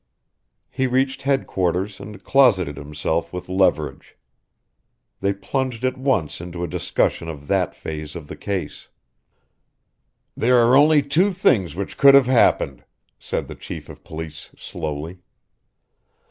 He reached headquarters and closeted himself with Leverage. They plunged at once into a discussion of that phase of the case. "There are only two things which could have happened," said the chief of police slowly.